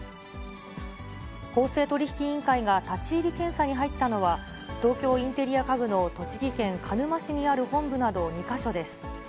公正取引委員会が立ち入り検査に入ったのは、東京インテリア家具の栃木県鹿沼市にある本部など２か所です。